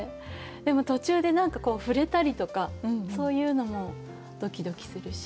でも途中で何かこう触れたりとかそういうのもドキドキするし。